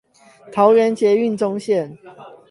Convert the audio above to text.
桃園捷運棕線